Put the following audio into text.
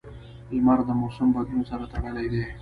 • لمر د موسم بدلون سره تړلی دی.